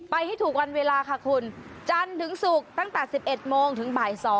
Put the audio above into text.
ให้ถูกวันเวลาค่ะคุณจันทร์ถึงศุกร์ตั้งแต่๑๑โมงถึงบ่าย๒